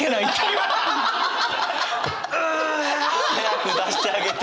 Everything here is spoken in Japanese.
うう。早く出してあげて。